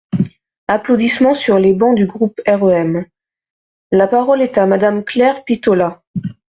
(Applaudissements sur les bancs du groupe REM.) La parole est à Madame Claire Pitollat.